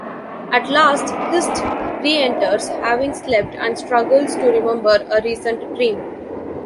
At last, Hirst reenters, having slept, and struggles to remember a recent dream.